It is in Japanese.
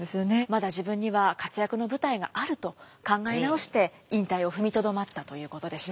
まだ自分には活躍の舞台があると考え直して引退を踏みとどまったということでした。